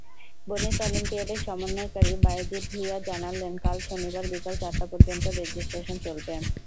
গণিত অলিম্পিয়াডের সমন্বয়কারী বায়েজিদ ভুঁইয়া জানালেন, কাল শনিবার বিকেল চারটা পর্যন্ত রেজিস্ট্রেশন চলবে।